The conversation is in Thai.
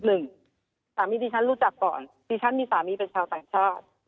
สามีดิฉันรู้จักก่อนดิฉันมีสามีเป็นชาวต่างชาติ